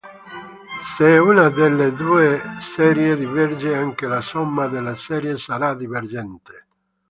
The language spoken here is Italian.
Se una delle due serie diverge anche la somma delle serie sarà divergente.